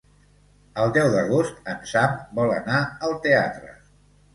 El deu d'agost en Sam vol anar al teatre.